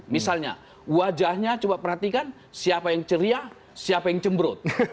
misalnya wajahnya coba perhatikan siapa yang ceria siapa yang cembrut